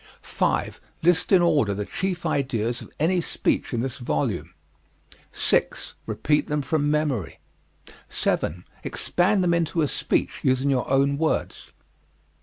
5. List in order the chief ideas of any speech in this volume. 6. Repeat them from memory. 7. Expand them into a speech, using your own words.